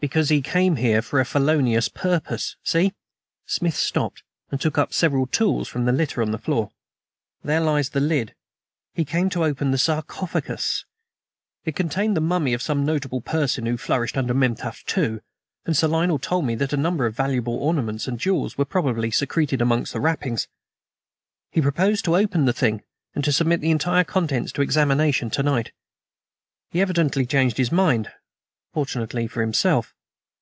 "Because he came here for a felonious purpose. See." Smith stooped and took up several tools from the litter on the floor. "There lies the lid. He came to open the sarcophagus. It contained the mummy of some notable person who flourished under Meneptah II; and Sir Lionel told me that a number of valuable ornaments and jewels probably were secreted amongst the wrappings. He proposed to open the thing and to submit the entire contents to examination to night. He evidently changed his mind fortunately for himself."